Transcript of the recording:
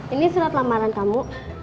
ini surat lamaran kamu